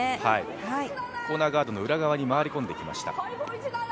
コーナーガードの裏側に回り込んできました。